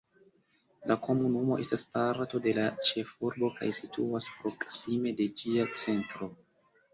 La komunumo estas parto de la ĉefurbo kaj situas proksime de ĝia centro.